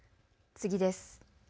次です。